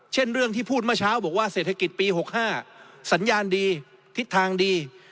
เช่นเรื่องที่พูดเมื่อเช้าบอกว่าเศรษฐกิจปี๖๕สัญญาณดีทิศทางดี